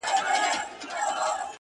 ژړا ـ سلگۍ زما د ژوند د تسلسل نښه ده ـ